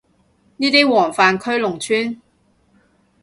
呢啲黃泛區農村